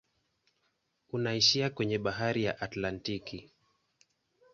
Unaishia kwenye bahari ya Atlantiki.